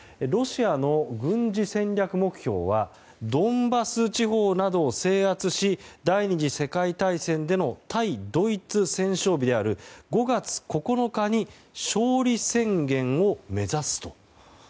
ロシアの軍事戦略目標はドンバス地方などを制圧し、第２次世界大戦での対ドイツ戦勝日である５月９日に勝利宣言を目指すと。